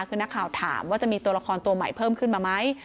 คือนักข่าวถามว่าจะมีตัวละครตัวใหม่เพิ่มขึ้นมาไหม